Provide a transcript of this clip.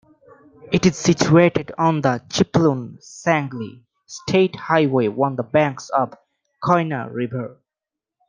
It is situated on the Chiplun-Sangli state highway on the banks of Koyna River.